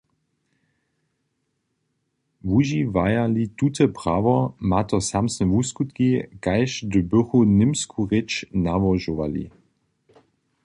Wužiwaja-li tute prawo, ma to samsne wuskutki, kaž hdy bychu němsku rěč nałožowali.